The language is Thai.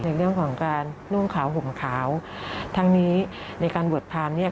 ในเรื่องของการนุ่งขาวห่มขาวทั้งนี้ในการบวชพรามเนี่ย